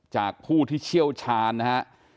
จากผู้ที่เชี่ยวชาญนะฮะ